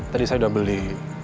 tadi saya udah beli